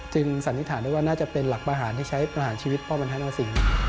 จึงสันนิษฐานว่าน่าจะเป็นหลักประหารที่ใช้ประหารชีวิตป้องบรรทานอาวุศิ